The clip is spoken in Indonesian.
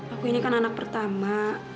aku ini kan anak pertama